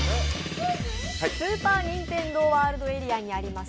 スーパー・ニンテンドー・ワールドエリアにあります